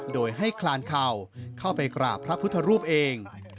โดยให้คลานเข่าเข้าไปกราบพระพุทธรูปเอง